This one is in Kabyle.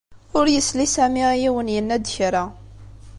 Ur yesli Sami i yiwen yenna-d kra.